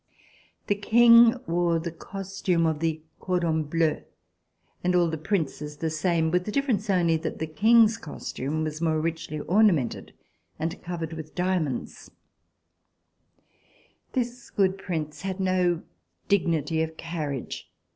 The King wore the costume of the "cordons bleus" and all the Princes the same, with the difference only that the King's costume was more richly ornamented and covered with diamonds. RECOLLECTIONS OF THE REVOLUTION This good Prince had no dignity of carriage.